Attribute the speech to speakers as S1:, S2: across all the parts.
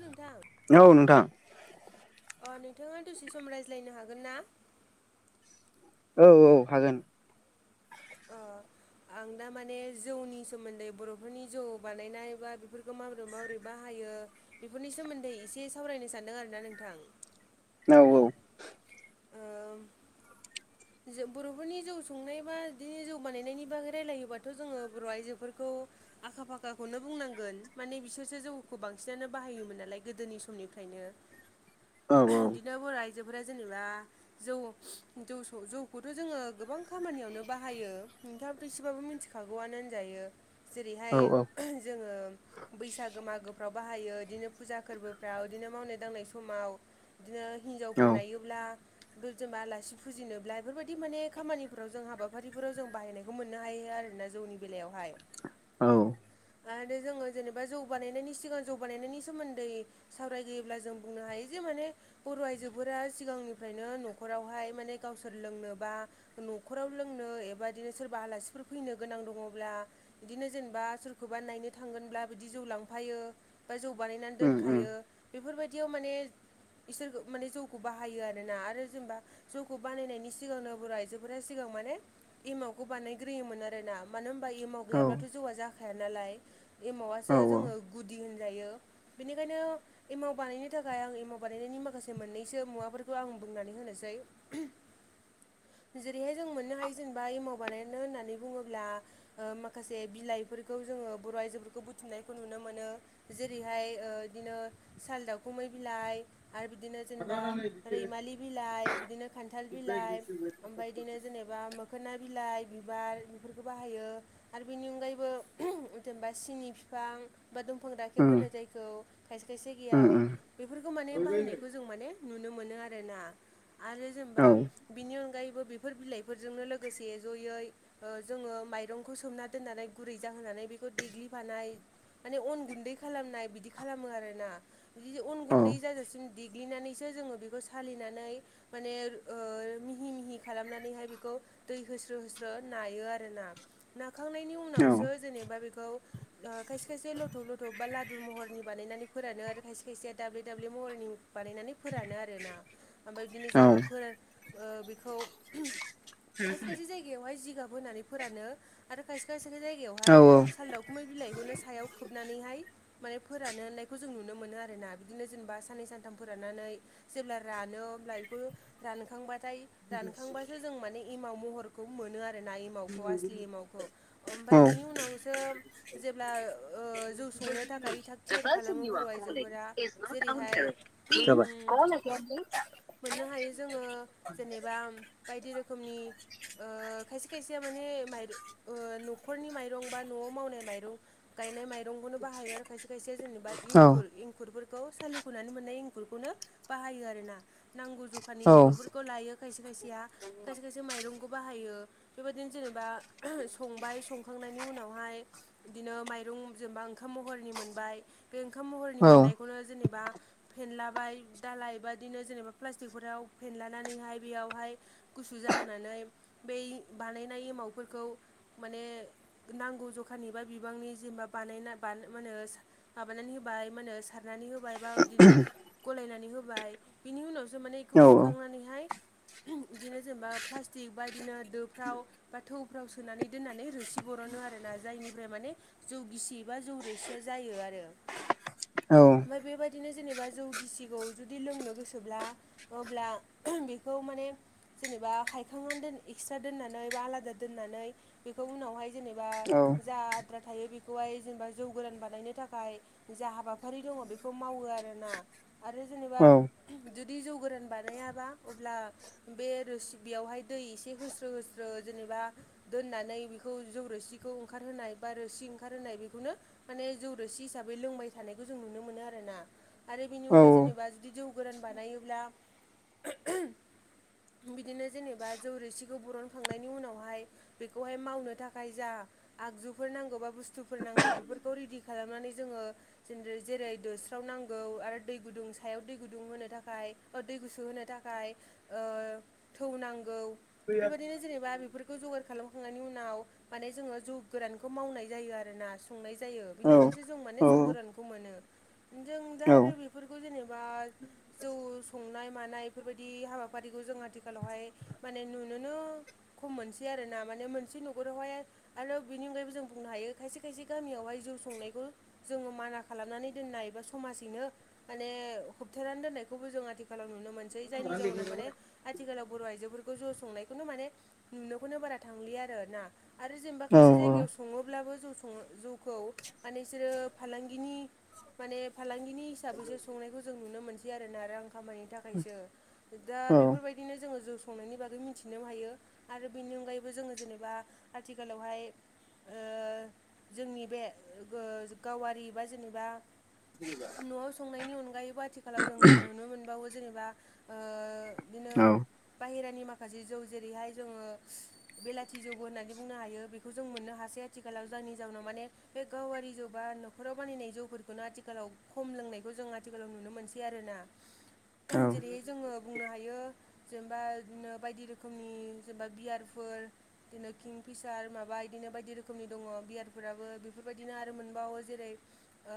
S1: हेल नोंथां
S2: औ नोंथां
S1: अ नोंथाङा दसे सम रायज्लायनो हागोन ना।
S2: औ औ हागोन।
S1: ओ आं दा माने जौनि सोमोन्दै बर'फोरनि जौ बानायनाय बा बेफोरखौ माबोरै माबोरै बाहायो बेफोरनि सोमोन्दै एसे सावरायनो सानदों आरोना नोंथां।
S2: औ औ।
S1: ओ जों बर'फोरनि जौ संनाय बा बिदिनो जौ बानायनायनि बागै रायलायोबाथ' जोङो बर' आइजोफोरखौ। आखा फाखाखौनो बुंनांगोन माने बिसोरसो जौखौ बांसिनानो बाहायोमोन नालाय गोदोनि समनिफ्रायनो
S2: औ
S1: बिदिनो बर' आइजोफोरा जेनेबा जौ जौ जौखौथ' जोङो गोबां खामानियावनो बाहायो नोंथांआबोथ' एसेबाबो मिथिखागौआनो होनजायो। जेरैहाय
S2: औ
S1: जोङो। बैसागो मागोफ्राव बाहायो बिदिनो फुजा फोरबोफ्राव बिदिनो मावनाय दांनाय समाव बिदिनो
S2: औ
S1: हिनजावफोर नायोब्ला जेनबा आलासि फुजिनो बिइ बेफोरबायदि माने खामानिफोराव जों हाबाफारिफोराव जों बाहायनायखौ मोननो हायो आरोना जौनि बेलायावहाय
S2: औ
S1: आरो जोङो जेनेबा जौ बानायनायनि सिगां जौ बानायनायनि सोमोन्दै सावरायगोयोब्ला जों बुंनो हायो जे माने बर' आइजोफोरा सिगांनिफ्रायनो न'खरावहाय माने गावसोर लोंनोबा न'खराव लोंनो एबा बिदिनो सोरबा आलासिफोर फैनो गोनां दङब्ला बिदिनो जेनेबा सोरखौबा नायनो थांगोनब्ला बिदि जौ लांफायो ओमफ्राय जौ बानायनानै
S2: उम उम
S1: दोनखायो बेफोरबायदियाव माने इसोर माने जौखौ बाहायो आरोना आरो जेनेबा जौ खौ बानायनायनि सिगाङांनो आइजोफोरा सिगाङां माने एमावखौ बानायग्रोयोमोन आरो ना मानो होनबा एमाव
S2: औ
S1: गैयाब्लाथ' जौआ जाखाया नालाय
S2: औ
S1: एमावासो जोङो गुदि होनजायो बेनिखायनो एमाव बानायनो थाखाय आं एमाव बानायनायनि माखासे मोननैसो मुवाफोरखौ आं बुंनानै होनोसै जेरैहाय जों मोननो हायो जेनेबा एमाव बानायनो होननानै बुङोब्ला माखासे बिलाइफोरखौ जोङो बर' आइजोफोरखौ बुथुमनायखौ नुनो मोनो जेरैहाय बिदिनो साल दाावखुमै बिलाइ आरो बिदिनो
S2: उम
S1: जेनेबा
S2: उम
S1: रैमालि बिलाइ बिदिनो खानथाल बिलाइ ओमफाय इदिनो जेन एबामोखोना बिलाइ बिबार बेफोरखौ बाहायो आरो बेनि अनगायैबो जेनेबा सिनि बिफां बा दंफां दाखेबोनो जायखौ खायसे खायसे
S2: उम
S1: गेयाव बेफोरखौ माने बाहायनायखौ ज जों माने नुनो मोनो आरोना आरो जेनेबा
S2: औ
S1: बिनि अनगायैबो बेफोर बिलाइफोरजोंनो लोगोसे जयै ओ जोङो माइरंखौ सोमना दोननानै गुरै जाहोनानै बेखौ देग्लिफानाय माने अन गुन्दै खालामनाय बिदि खालामो आरोना बिदि अन गुन्दै जाजासिम देग्लिनानैसो जोङो बेखौ सालिनानै माने ओ मिहि मिहि खालामनानैहाय बेखौ दै होस्रो होस्रो नायो आर ना नाखांनायनि उनावसो जेनेबा बेखौ ओ खायसे खायसे लथब लथब बा लादु महरनि बानायनानै फोरानो आरो खायसे खायसेया दाब्ले दाब्ले महरनि बानायनानै फोरानो आरोना ओमफ्राय बिदिनो
S2: औ
S1: जेनेबा फोर बेखौ खायसे खायसे जायगायावहाय जिगाब होनानै फोरानो आरो खायसे खायसे
S2: औ
S1: जायगायावहाय साल दावखुमै बिलाइखौनो सायाव खोबनानैहाय माने फोरान होननायखौ जों नुनो मोनो आरोना बिदिनो जेनेबा साननै सानथाम फोराननानै जेब्ला रानो अब्ला [unintelligible] रानखांबाथाय रानखांबासो जों माने एमाव महरखौ मोनो आरो नाय एमावखौ आसलि एमावखौ
S2: औ
S1: ओमफाय बिनि उनावसो जेब्ला ओ जौ संनो थाखाय थाग थियारि खालामो बर' आइजोफोरा जेरैहाय [unintelligible]
S2: खनोख [unintelligible]
S1: मोननो हायो जोङो जेनेबा बायदि रोखोमनि ओ खायसे खायसेया माने न'खरनि माइरं बा न'आव मावनाय माइरं गायनाय माइरंखौनो बाहायो आरो खायसे खायसे जेनेबा
S2: औ
S1: इंखुर इंखुरफोर खौ सालिखनानै मोननाय इंखुरखौनो बाहायो आरो ना नांगौ जखानि
S2: औ
S1: आंगुर फोरखौ लायो खायसे खायसेया खायसे खायसे माइरंखौ बाहायो। बेबायदिनो जेनेबा संबाय संखांनायनि उनावहाय बिदिनो माइरं जेनेबा ओंखाम महरनि मोनबाय बे ओंखाम महरनि
S2: औ
S1: मोननायखौनो जेनेबा फेनलाबाय दालाय बादिनो जेनेबा प्लास्टिकफोराव फेनलानानैहाय बेयावहाय गुसु जाहोनानै बै बानायनाय एमावफोरखौ माने नांगौ जखानि बा बिबांनि जेनबा बानायना बा मा होनो सा माबानानै होबाय मा होनो सार नानै होबाय बा इदिनो गलायनानै होबाय बिनि उनावसो माने बेखौ
S2: औ
S1: फुखांनानैहाय [unintelligible] इदिनो जेनबा प्लास्टिक बादिनो दोफ्राव बा थौफ्राव सोनानै दोननानै रोसि बरनो आरो ना जायनिफ्राय माने जौ गिसि एबा जौ रोसिया जायो आरो
S2: औ।
S1: ओमफाय बेबायदिनो जेनेबा जौ गिसिखौ जुदि लोंनो गोसोब्ला अब्ला [unintelligible] बेखौ माने जेनेबा हायखांनानै दोन एक्सट्रा दोननानै बा आलादा दोननानै बेखौ उनावहाय जेनेबा
S2: औ
S1: जा आद्रा थायो बेखौहाय जेनेबा जौ गोरान बानायनो थाखाय जा हाबाफारि दङ' बेखौ मावो आरो ना आरो जेनेबा [unintelligible] [unintelligible] जौ गोरान बानायाबा अब्ला बे रोसि बेयावहाय दै एसे होस्रो होस्रो जेनेबा दोननानै बेखौ जौ रोसिखौ ओंखारहोनाय बा रोसि ओंखारहोनाय बेखौनो माने जौ रोसि हिसाबै लोंबाय थानायखौ जों नुनो मोनो आरो ना। आरो बिनि अनगायै जेनेबा जुदि जौ गोरान बानायोब्ला [unintelligible] बिदिनो जेनेबा जौ रोसिखौ बरनखांनायनि उनावहाय बेखौहाय मावनो थाखाय जा आगजुफोर नांगौ बा बुस थुफोर नांगौ बेफोरखौ रेडि खालामनानै जोङो जेन्द्रे जेरै दोस्राव नांगौ आरो दै गुदुं सायाव दै गुदुं होनो थाखाय ओ दै गुसु होनो थाखाय ओ थौ नांगौ बेबायदिनो जेनेबा बेफोरखौ जगार खालामखांनायनि उनाव माने जोङो जौ गोरानखौ मावनाय जायो आरो ना संनाय जायो। बिनिफ्रायसो जों माने जौ गोरानखौ मोनो जों दा आरो बे फोरखौ जेनेबा जौस संनाय मानाय इफोरबायदि हाबाफारिखौ जों आथिखालावहाय माने नुनोनो खम मोनसै आरो ना माने मोनसे न'खरावहाय आरो बेनि अनगायैबो जों बुंनो हायो खायसे खायसे गामियावहाय जौ संनायखौ जोङो माना खालामनानै दोननाय एबा समाजैनो माने होबथानानै दोननायखौबो जों आथि खालाव नुनो मोनसै जायनि जाउनाव माने आथिखालाव बर' आइजोफोरखौ जौ संनायखौनो माने नुनोखौनो बारा थांलिया आरो ना। आरो जेनेबा खायसे जायगायाव सु सङोब्लाबो जौ सङो जौखौ माने इसोरो फालांगिनि माने फालांगिनि हिसाबैसो संनायखौ जों नुनो मोनसै आरोना रां खामनो थाखायसो दा बेफोरबाय बिदिनो जोङो जौ संनायनि बागै मिनथिनो हायो आरो बेनि अनगायैबो जोङो जेनेबा आथिखालावहाय ओ जोंनि बे ओ गो गावारि बा जेनेबा न'आव संनायनि अनगायैबो आथिखालाव जों मोन नुनो मोनबावो जेन'बा ओ बिदिनो बाहेरानि माखासे जौ जेरैहाय जोङो बेलाथि जौबो होननानै बुंनो हायो। बेखौ जों मोननो हासै आथिखालाव जायनि जाउनाव माने बे गावारि जौ बा न'खराव बानायनाय जौफोरखौनो आथिखालाव खम लोंनायखौ जों आथिखालाव नुनो मोनसै आरो ना। ओम जेरैयै जोङो बुंनो हायो जेनेबा इदिनो बायदि रोखोमनि जेनेबा बियारफोर इदिनो किं फिसार माबा इदिनो बायदि रोखोमनि दङ' बियारफोराबो बेफोरबायदिनो आरो मोनबावो जेरै ओ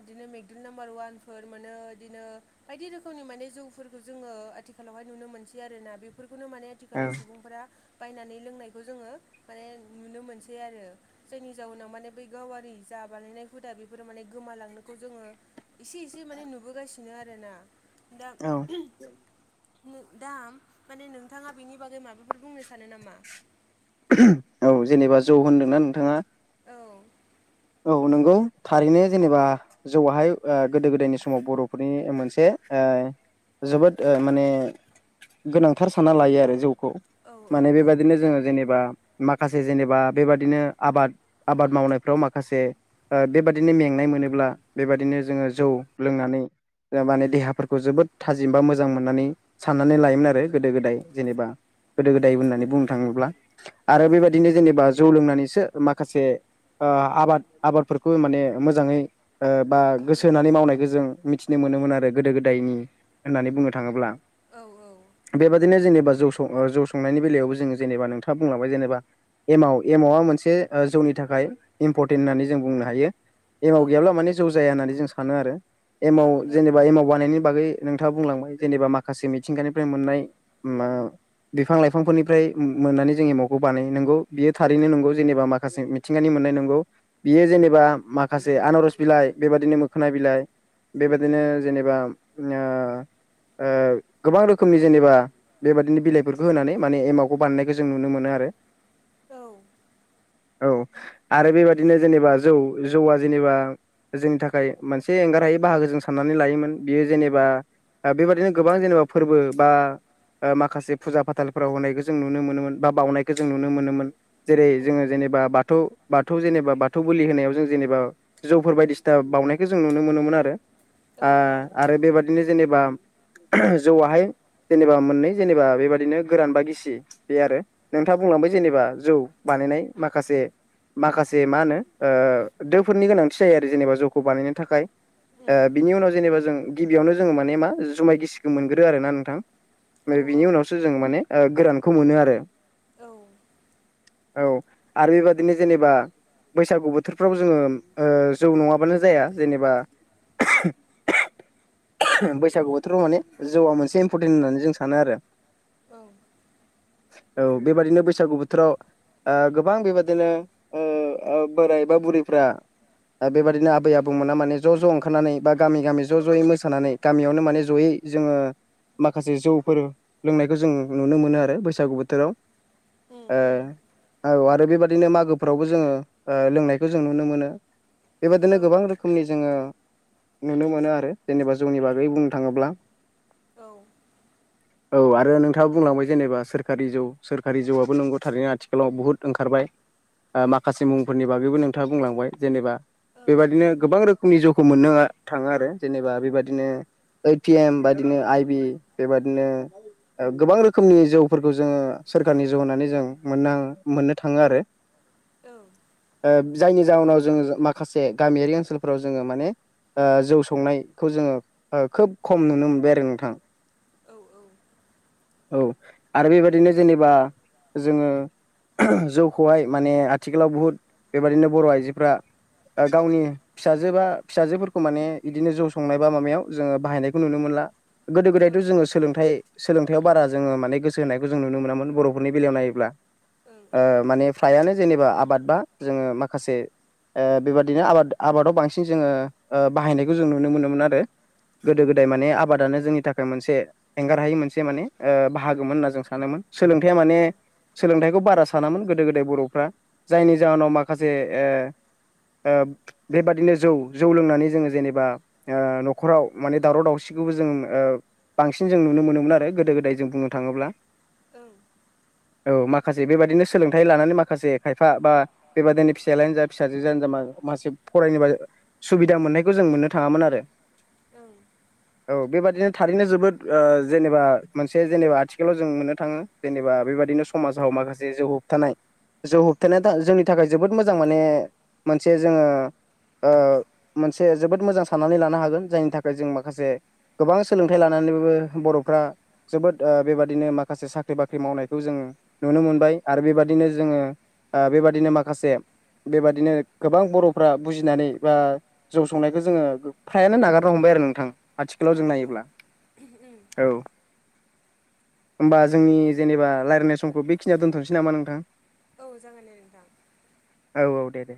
S1: इदिनो मेकदुल नाम्बार उवानफोर मोनो इदिनो बायदि रोखोमनि माने जौफोरखौ जोङो आथिखालावहाय नुनो मोनसै आरोना बेफोरखौनो माने आथिखालाव सुबुंफोरा बायनानै लोंनायखौ जोङो माने नुनो मोनसै आरो दि जायनि जाउनाव माने बै गावारि जा बानायनाय हुदा बेफोरो माने गोमालांनोखौ जोङो एसे एसे माने नुबोगासिनो आरोना दा
S2: औ
S1: [unintelligible] दा माने नोंथाङा बिनि बागै माबाफोर बुंनो सानो नामा
S2: औ जेनेबा जौ होनदोंना नोंथाङा
S1: औ
S2: औ नोंगौ थारैनो जेनेबा जौहाय गोदो गोदायनि समाव बर'फोरनि मोनसे ओ जोबोद ओ माने गोनांथार साना लायो आरो जौखौ
S1: औ औ
S2: माने
S1: औ
S2: बेबादि बिदिनो जोङो जेनेबा माखासे जेनेबा बेबादिनो आबाद आबाद मावनायफ्राव मा माखासे ओ बेबादिनो मेंनाय मोनोब्ला बेबादिनो जोङो जौ लोंनानै ओ माने देहाफोरखौ जोबोद थाजिम बा मोजां मोननानै साननानै लायोमोन आरो गोदो गोदाय जेनेबा गोदो गोदाय
S1: उम
S2: होननानै
S1: उम
S2: बुंनो थाङोब्ला आरो
S1: ओं
S2: बेबादिनो जेनेबा जौ लोंनानैसो माखासे ओ आबाद आबादफोरखौ माने मोजाङै ओ बा गोसो होनानै मावनायखौ जों मिथिनो मोनोमोन आरो गोदो गोदायनि होननानै बुंनो थाङोब्ला
S1: औ औ
S2: बेबादिनो जेनेबा जौ सं जौ संनायनि बेलायावबो जोङो जेनेबा नोंथाङा बुंलांबाय जेनेबा एमव एमावआ मोनसे जौनि थाखाय इम्परटेन्ट होननानै जों बुंनो हायो एमाव
S1: औ ओं
S2: गैयाब्ला माने जौ जाया होननानै जों सानो आरो एमाव
S1: ओं औ उम
S2: जेनेबा एमाव बानायनायनि बागै नोंथाङा बुंलांबाय जेनेबा माखासे मिथिंगानिफ्राय मोननाय ओ बिफां लाइफांफोरनिफ्राय मोननानै जों एमावखौ बानायो नंगौ बियो थारैनो नंगौ जेनेबा माखासे मिथिंगानि मोननाय नंगौ बियो जेनेबा माखासे आनारस बिलाइ बेबादिनो मोखोना बिलाइ बेबादिनो जेनेबा ओ ओ गोबां रोखोमनि जेनेबा बेबायदिनो बिलाइफोरखौ होनानै माने एमावखौ बानायनायखौ जों नुनो मोनो आरो
S1: औ
S2: औ आरो बेबादिनो जेनेबा जौ जौआ जेनेबा जोंनि थाखाय मोनसे एंगारहायै बाहागो जों साननानै लायोमोन बियो जेनेबा ओ बेबादिनो गोबां जेनेबा फोरबो बा ओ माखासे फुजा फाथालफोराव होनायखौ जों नुनो मोनोमोन बा बावनायखौ जों नुनो मोनोमोन जेरै जोङो जेनेबा बाथौ बाथौ जेनेबा बाथौ बोलि होनायाव जों जेनेबा जौफोर बायदिसिना बावनायखौ जों नुनो मोनोमोन आरो ओ
S1: औ औ
S2: आरो बेबादिनो जेनेबा जौआहाय जेनेबा मोननै जेनेबा बेबादिनो गोरान बा गिसि बे आरो नोंथाङा बुंलांबाय जेनेबा जौ बानायनाय माखासे माखासे मा होनो ओ दोफोरनि गोनांथि जायो आरो जेनेबा जौखौ बानायनो थाखाय
S1: उम
S2: ओ
S1: उम
S2: बिनि उनाव जेनेबा जों गिबियावनो जोङो माने मा जुमाय गिसिखौ मोनग्रो आरो ना नोंथां।
S1: औ
S2: ओमफ्राय
S1: औ
S2: बिनि उनावसो जों माने गोरानखौ मोनो आरो
S1: औ।
S2: औ आरो बेबायदिनो जेनेबा बैसागु बोथोरफ्राव जोङो जौ नङाबानो जाया जेनेबा [unintelligible] बैसागु बोथोराव माने जौआ मोनसे इमपरटेन्ट होननानै जों सानो आरो
S1: औ
S2: औ बेबादिनो बैसागु बोथोराव गोबां बेबादिनो ओ आ बोरायबा बुरैफ्रा दा बेबायदिनो आबै आबौमोना माने ज' ज' ओंखारनानै बा गामि गामि ज' ज'यै मोसानानै गामियावनो माने जयै जोंङो माखासे जौफोर लोंनायखौ जों नुनो मोनो आरो बैसागु बोथोराव ओ औ आरो बेबायादिनो मागो फोरावबो जोङो ओ लोंनायखौ जों नुनो मोनो बेबायदिनो
S1: औ
S2: गोबां रोखोम रोखोमनि जोङो नुनो मोनो आरो जेनेबा जौनि बागै बुंनो थाङोब्ला
S1: औ।
S2: औ आरो नोंथाङा बुंलांबाय जेनेबा सोरखारि जौ सोरखारि जौआबो नंगौ थारैनो आथिखालाव बुहुद ओंखारबाय। ओ माखासे मुंफोरनि बागैबो नोंथाङा बुंलांबाय जेनेबा
S1: ओं
S2: बेबादिनो गोबां रोखोम फुंनि जौखौ मोननो थाङो आरो जेनेबा बेबादिनो एटिएम बाददिनो आइ बि बेबादिनो ओ गोबां रोखोमनि जौफोरखौ जोङो सोरखारनि जौ होनानै जों मोन मोननो थाङो आरो।
S1: औ।
S2: ओ जायनि जाहोनाव जोङो माखासे गामियारि ओनसोलफोराव जोङो माने ओ जौ संनायखौ जोङो ओ खोब खम नुनो मोनबाय आरो नोंथां।
S1: औ ओं
S2: औ आरो बेबायदिनो जेनेबा जोङो जौखौहाय माने आथिखालाव बुहुद बेबादिनो बर' आइजोफ्रा ओ गावनि फिसाजो बा फिसाजोफोरखौ माने बिदिनो ज' संनाय बा माबायाव जोङो बाहायनायखौ नुनो मोनला। गोदो गोदायथ' जोङो सोलोंथाइ सोलोंथायाइयाव बारा जोङो माने गोसो होनायखौ जों नुनो मोनामोन बर'फोरनि बेलायाव नायोब्ला
S1: ओं -ओं।
S2: ओ माने फ्रायानो जेनेबा आबाद बा जोङो माखासे ओ बेबादिनो आबाद आबादाव बांसिन जोङो ओ बाहायनायखौ जों नुनो मोनोमोन आरो गोदो -गोदाय माने आबादानो जोंनि थाखाय मोनसे एंगार हायै मोनसे माने ओ बाहागोममोन होनना जों सानोमोन सोलोंथाइा माने सोलोंथाइखौ बारा सानामोन गोदो- गोदाय बर'फ्रा जायनि जाहोनाव माखासे ओ ओ बेबादिनो जौ जौ लोंनानै जोङो जेनेबा ओ न'खराव माने दावराव दावसिखौबो जों ओ बांसिन जों नुनो मोनोमोन आरो गोदो गोदाय जों बुंनो थाङोब्ला।
S1: औ।
S2: औ माखासे बेबायाददिनो सोलोंथाइ लानानै माखासे खायफा बा बेबादिनो फिसायालायानो जा फिसाजो जा मा मासे फरायनोबा सुबिदा मोननायखौ जों मोननो थाङामोन आरो
S1: औ।
S2: औ बेबादिनो थारैनो जोबोद ओ जेनेबा मोनसे जेनेबा आथिखालाव जों मोननो थाङो। जेनेबा बेबदिनो समाजाव माखासे जौ होबथानाय जों होबथानाया जोंनि थाखाय जोबोद मोजां माने मोनसे जोङो ओ मोनसे जोबोद मोजां साननानै लानो हागोन जायनि थाखाय जों माखासे गोबां सोलोंथाइ लानानैबबो बर'फ्रा जोबोद बेबादिनो माखासे साख्रि बाख्रि मावनायखौ जों नुनो मोनबाय आरो बेबादिनो जोङो बेबादिनो माखासे बेबादिनो गोबां बर'फ्रा बुजिनानै बा जौ संनायखौ जोङो फ्रायानो नागारनो हमबाय आरो नोंथां आथिखालाव जों
S1: ओं ओं
S2: नायोब्ला औ होमबा जोंनि जेनेबा रायज्लायनाय समखौ बेखिनियाव दोनथ'नोसै नामा नोंथां।
S1: औ जागोन दे नोंथां।
S2: औ औ दे दे।